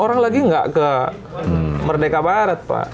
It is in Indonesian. orang lagi nggak ke merdeka barat pak